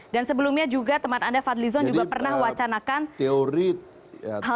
dan sebelumnya juga teman anda fadlizon juga pernah wacanakan hal serupa